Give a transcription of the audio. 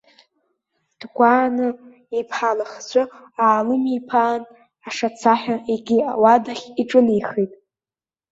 Дгәааны, иԥҳа лыхцәы аалымиԥаан, ашацаҳәа егьи ауадахь иҿынеихеит.